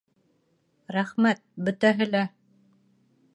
Рәхмәт, бөтәһе лә..